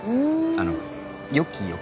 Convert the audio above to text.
あの「よきよき」。